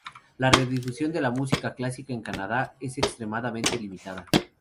La radiodifusión de música clásica en Canadá es extremadamente limitada.